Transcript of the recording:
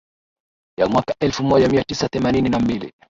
ya Mwaka elfu moja mia tisa themanini na mbili